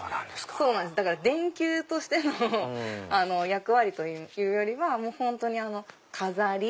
だから電球としての役割というよりは本当に飾り。